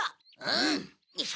うん！